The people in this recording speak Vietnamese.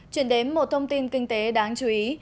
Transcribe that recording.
chuyển đến một thông tin kinh tế đáng chú ý